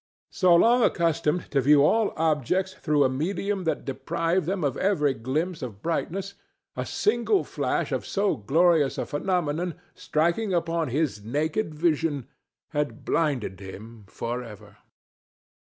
So long accustomed to view all objects through a medium that deprived them of every glimpse of brightness, a single flash of so glorious a phenomenon, striking upon his naked vision, had blinded him for ever.